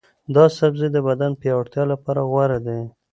دا سبزی د بدن د پیاوړتیا لپاره غوره دی.